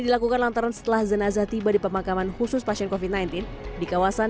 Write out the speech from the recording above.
dilakukan lantaran setelah jenazah tiba di pemakaman khusus pasien covid sembilan belas di kawasan